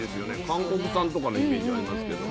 韓国産とかのイメージありますけど。